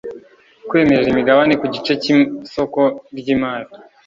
kwemerera imigabane ku gice cy isoko ry imari